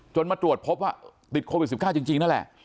มาตรวจพบว่าติดโควิด๑๙จริงนั่นแหละ